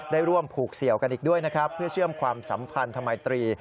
ได้ร่วมผูกเสี่ยวกันอีกด้วยนะครับเพื่อเชื่อมความสัมพันธมิตรี